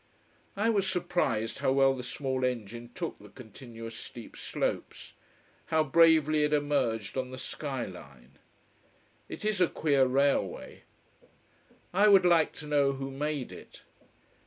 I was surprised how well the small engine took the continuous steep slopes, how bravely it emerged on the sky line. It is a queer railway. I would like to know who made it.